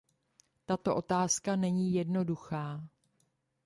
Tato otázka není jednoduchá.